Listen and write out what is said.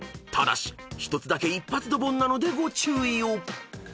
［ただし１つだけ一発ドボンなのでご注意を］